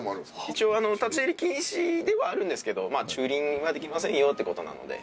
一応立ち入り禁止ではあるんですけど駐輪はできませんよって事なので。